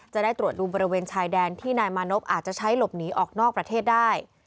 จะได้ตรวจดูบริเวณชายแดนที่นายมานพอาจจะใช้หลบหนีออกนอกประเทศได้